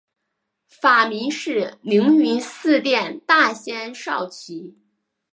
法名是灵云寺殿大仙绍其。